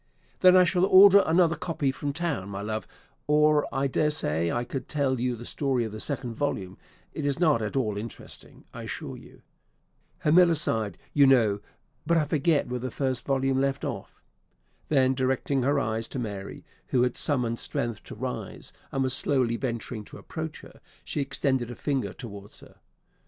"Then I shall order another copy from town, my love; or I daresay I could tell you the story of the second volume: it is not at all interesting, I assure you. Hermilisde, you know but I forget where the first volume left off." Then directing her eyes to Mary, who had summoned strength to rise, and was slowly venturing to approach her, she extended a finger towards her.